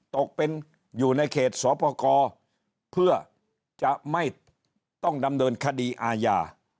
ตกเป็นอยู่ในเขตสปกรเพื่อจะไม่ต้องดำเนินคดีอาญา